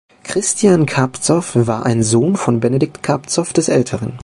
Christian Carpzov war ein Sohn von Benedikt Carpzov des Älteren.